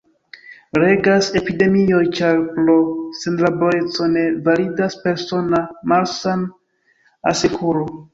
Regas epidemioj ĉar, pro senlaboreco, ne validas persona malsan-asekuro.